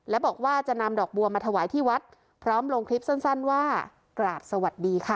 และบอกว่าจะนำดอกบัวมาถวายที่วัดพร้อมลงคลิปสั้นว่ากราบสวัสดีค่ะ